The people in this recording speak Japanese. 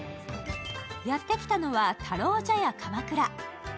やってきたのは、太郎茶屋鎌倉。